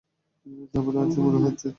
ঝামেলা আছে মনে হচ্ছে।